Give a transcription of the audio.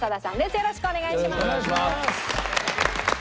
よろしくお願いします。